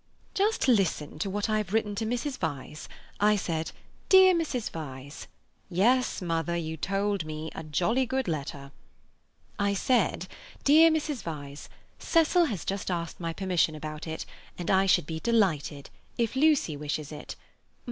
"Just listen to what I have written to Mrs. Vyse. I said: 'Dear Mrs. Vyse.'" "Yes, mother, you told me. A jolly good letter." "I said: 'Dear Mrs. Vyse, Cecil has just asked my permission about it, and I should be delighted, if Lucy wishes it.